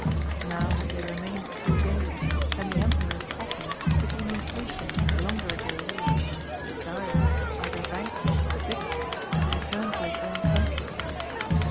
Now had they re mained three days, and the Emperor Patin became impatient of longer delay, desirous, either vanquished or victor, to return to his own country.